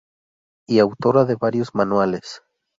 Y autora de varios manuales.